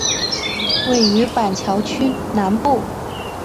位于板桥区南部。